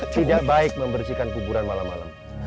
tidak baik membersihkan kuburan malam malam